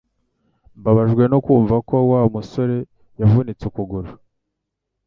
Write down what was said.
Mbabajwe no kumva ko Wa musore yavunitse ukuguru